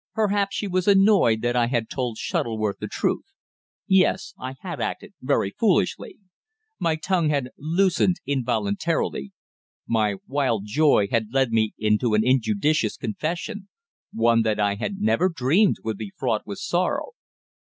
Perhaps she was annoyed that I had told Shuttleworth the truth. Yes, I had acted very foolishly. My tongue had loosened involuntarily. My wild joy had led me into an injudicious confession one that I had never dreamed would be fraught with sorrow.